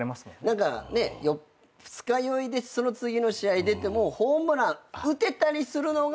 何か二日酔いでその次の試合出てもホームラン打てたりするのが。